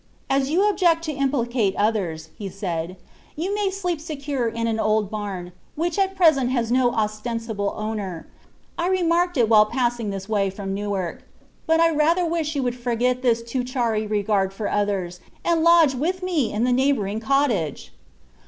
"As you object to implicate others," said he, "you may sleep secure in an old barn which at present has no ostensible owner. I remarked it while passing this way from Newark. But I rather wish you would forget this too chary regard for others, and lodge with me in the neighboring cottage."